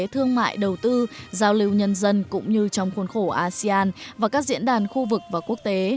thương mại đầu tư giao lưu nhân dân cũng như trong khuôn khổ asean và các diễn đàn khu vực và quốc tế